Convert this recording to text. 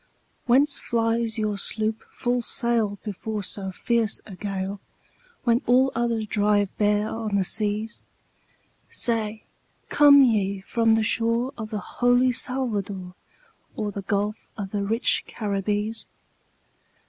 "Whence flies your sloop full sail before so fierce a gale, When all others drive bare on the seas? Say, come ye from the shore of the holy Salvador, Or the gulf of the rich Caribbees?"